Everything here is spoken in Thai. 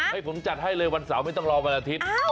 ให้ผมจัดให้เลยวันเสาร์ไม่ต้องรอวันอาทิตย์